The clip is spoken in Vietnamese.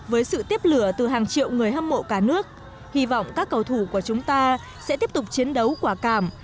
với sự tiếp lửa từ hàng triệu người hâm mộ cả nước hi vọng các cầu thủ của chúng ta sẽ tiếp tục chiến đấu quả cảm đem về vinh quang cho tổ quốc